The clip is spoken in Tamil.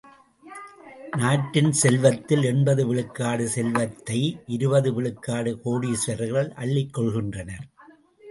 நாட்டின் செல்வத்தில் எண்பது விழுக்காடு செல்வத்தை இருபது விழுக்காடு கோடீசுவரர்கள் அள்ளி கொள்கின்றனர்.